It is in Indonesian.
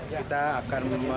kita akan memastikan